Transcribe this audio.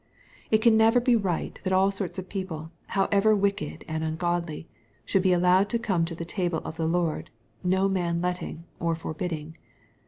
It can never be right that all sorts of people, however wicked and ungodly, should be allowed to come to the table of the Lord, no man letting or forbidding.